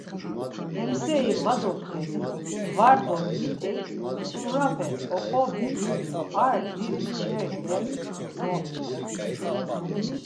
Hem seri var dopxedi, var dobdgiti, t̆uvrape oǩobdgi do ar didi çerge dop̌ç̌i.